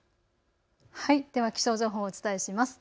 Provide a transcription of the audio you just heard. では気象情報をお伝えします。